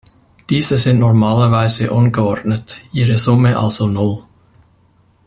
Diese sind normalerweise ungeordnet, ihre Summe also Null.